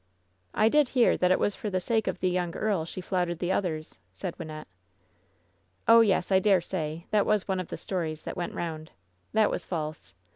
"I did hear that it was for the sake of the young earl she flouted the others," said Wynnette. "Oh, yes, I dare say — ^that was one of the stories that went round ! That was false.